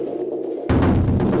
budhak dua tahun purusa